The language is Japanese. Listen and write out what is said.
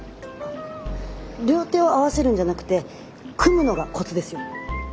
両手を合わせるんじゃなくて組むのがコツですよ。